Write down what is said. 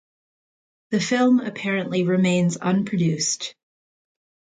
The film apparently remains unproduced.